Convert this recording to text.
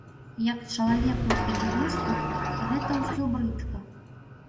Як чалавеку і юрысту гэта ўсё брыдка.